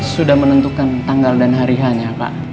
sudah menentukan tanggal dan hari hanya pak